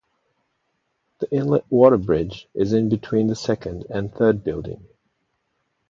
The inlet water bridge is in between the second and third building.